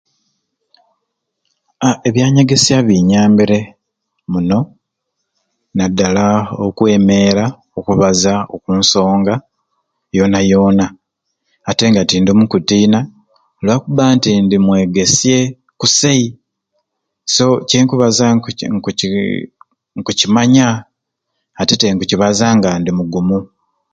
Aaah ebyanyegesya binyambire munoo nadala okwemeera okubaza okunsonga yona yona atenga tindimu kutiina lwakubba nti ndi mwegeesye kusai so kyenkubaza nkuci nkuci nkucimanya ati tte nkucibaza nga ndi mugumu.